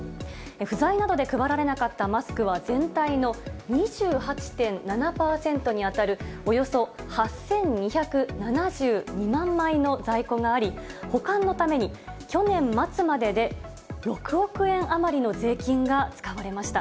不在などで配られなかったマスクは全体の２８．７％に当たるおよそ８２７２万枚の在庫があり、保管のために、去年末までで６億円余りの税金が使われました。